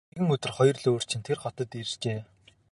Гэтэл нэгэн өдөр хоёр луйварчин тэр хотод иржээ.